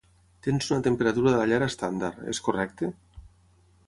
Tens una temperatura de la llar estàndard, és correcte?